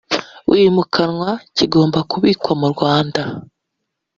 wimukanwa kigomba kubikwa mu rwanda